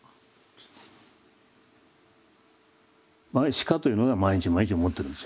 「しか」というのは毎日毎日思ってるんですよ